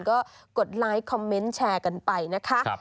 ก็กดไลค์คอมเมนต์แชร์กันไปนะคะ